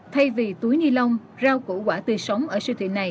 thay vì túi ni lông rau củ quả tươi sống ở siêu thị này